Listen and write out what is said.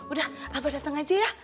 udah apa dateng aja ya